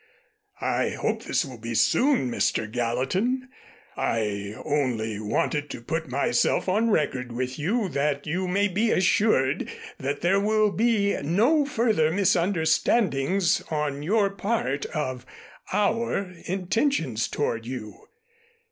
I hope this will be soon, Mr. Gallatin. I only wanted to put myself on record with you that you may be assured that there will be no further misunderstandings on your part of our intentions toward you.